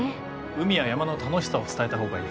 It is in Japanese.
海や山の楽しさを伝えた方がいい。